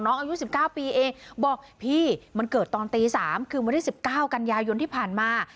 อายุ๑๙ปีเองบอกพี่มันเกิดตอนตี๓คือวันที่๑๙กันยายนที่ผ่านมา